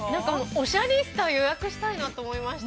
◆おしゃリスタ、予約したいなと思いました。